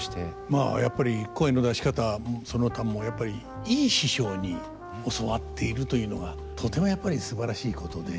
まあやっぱり声の出し方その他もやっぱりいい師匠に教わっているというのがとてもやっぱりすばらしいことで。